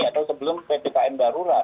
atau sebelum ptkm darurat